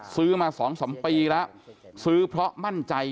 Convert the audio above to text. ซื้อมา๒๓ปีแล้วซื้อเพราะมั่นใจ